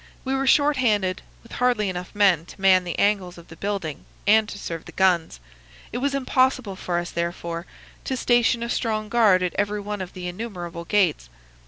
We were short handed, with hardly men enough to man the angles of the building and to serve the guns. It was impossible for us, therefore, to station a strong guard at every one of the innumerable gates.